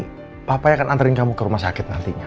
nanti papa akan anterin kamu ke rumah sakit nantinya